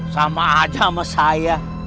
sama aja sama saya